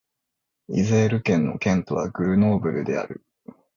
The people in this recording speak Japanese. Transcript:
イゼール県の県都はグルノーブルである